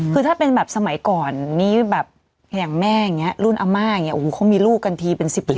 คือถ้าเป็นแบบสมัยก่อนอย่างแม่รุ่นอำมาเขามีลูกกันทีเป็น๑๐๑๕คน